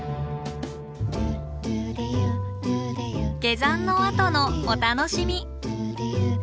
下山のあとのお楽しみ。